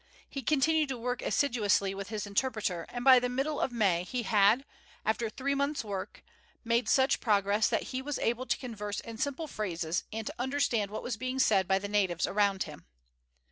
He continued to work assiduously with his interpreter, and by the middle of May he had, after three months' work, made such progress that he was able to converse in simple phrases and to understand what was being said by the natives around him.